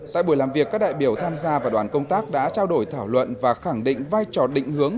tại buổi làm việc các đại biểu tham gia và đoàn công tác đã trao đổi thảo luận và khẳng định vai trò định hướng